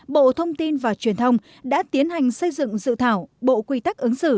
bộ thông tin và truyền thông đã tiến hành xây dựng dự thảo bộ quy tắc ứng xử